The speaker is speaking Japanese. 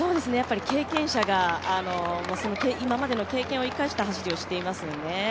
経験者が今までの経験を生かした走りをしていますよね。